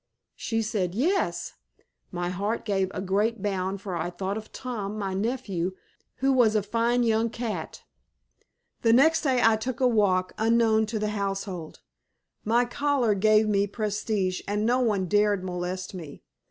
She said, "Yes." My heart gave a great bound for I thought of Tom, my nephew, who was a fine young cat. The next day I took a walk, unknown to the household. My collar gave me prestige and no one dared molest me.